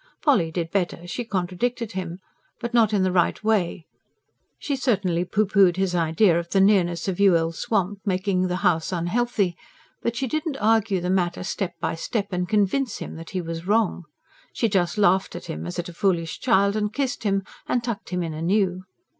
Polly did better; she contradicted him. But not in the right way. She certainly pooh poohed his idea of the nearness of Yuille's Swamp making the house unhealthy; but she did not argue the matter, step by step, and CONVINCE him that he was wrong. She just laughed at him as at a foolish child, and kissed him, and tucked him in anew.